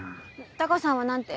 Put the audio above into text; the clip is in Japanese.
タカさんは何て？